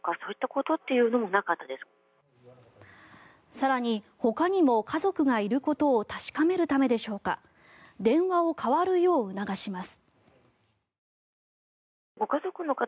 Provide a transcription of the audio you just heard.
更にほかにも家族がいることを確かめるためでしょうか電話を代わるよう促します。